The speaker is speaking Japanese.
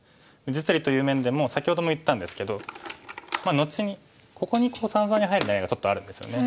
実利という面でも先ほども言ったんですけど後にここに三々に入る狙いがちょっとあるんですよね。